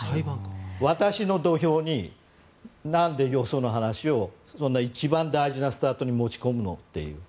私の土俵に、なんでよその話をそんな一番最初のスタートに持ち込むのっていう。